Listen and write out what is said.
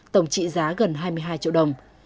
tổng trị giá gần hai mươi hai triệu đồng